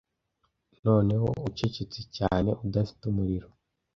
noneho ucecetse cyane udafite umuriro